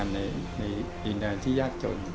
ในดินแดนที่ยากจน